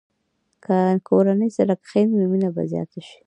که کورنۍ سره کښېني، نو مینه به زیاته شي.